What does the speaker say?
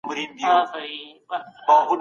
د وینې د جریان خرابېدل د پوستکي زیان لامل ګرځي.